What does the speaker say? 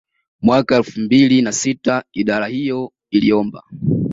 Mwaka elfu mbili na sita idara hiyo iliomba